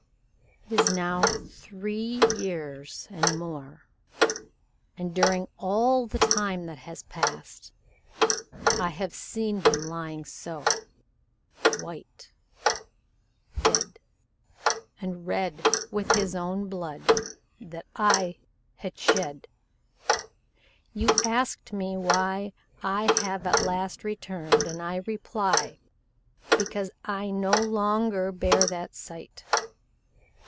"It is now three years and more and during all the time that has passed I have seen him lying so white dead and red with his own blood that I had shed. You asked me why I have at last returned, and I reply, because I will no longer bear that sight.